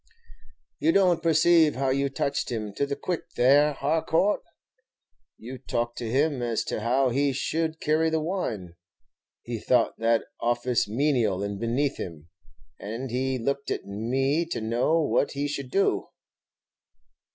"You don't perceive how you touched him to the quick there, Harcourt? You talked to him as to how he should carry the wine; he thought that office menial and beneath him, and he looked at me to know what he should do."